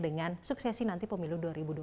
dengan suksesi nanti pemilu dua ribu dua puluh